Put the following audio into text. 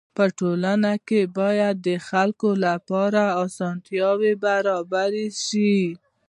په ټولنه کي باید د خلکو لپاره اسانتياوي برابري سي.